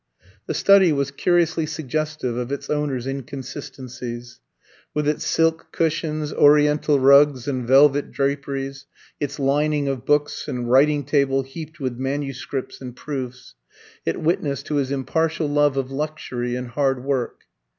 The study was curiously suggestive of its owner's inconsistencies. With its silk cushions, Oriental rugs, and velvet draperies, its lining of books, and writing table heaped with manuscripts and proofs, it witnessed to his impartial love of luxury and hard work.